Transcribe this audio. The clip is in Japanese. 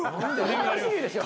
おかしいでしょ。